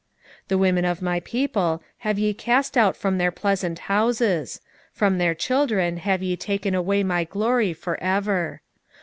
2:9 The women of my people have ye cast out from their pleasant houses; from their children have ye taken away my glory for ever.